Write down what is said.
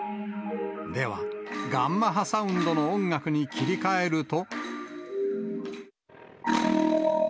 では、ガンマ波サウンドの音楽に切り替えると。